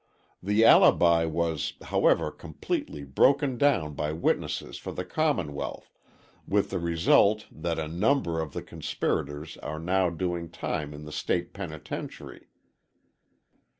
The alibi was, however completely broken down by witnesses for the Commonwealth, with the result that a number of the conspirators are now doing time in the State penitentiary.